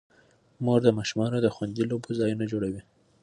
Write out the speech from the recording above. مور د ماشومانو د خوندي لوبو ځایونه جوړوي.